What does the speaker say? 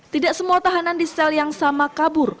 tidak semua tahanan di sel yang sama kabur